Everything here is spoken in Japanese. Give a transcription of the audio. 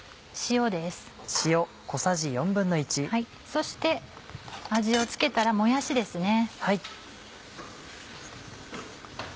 そして味を付けたらもやしですね。